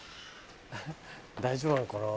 大丈夫なのかな？